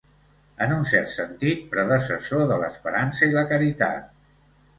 En un cert sentit, predecessor de l'esperança i la caritat.